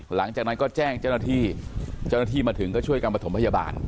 หลังจากนั้นก็แจ้งเจ้าหน้าที่เจ้าหน้าที่มาถึงก็ช่วยกันประถมพยาบาล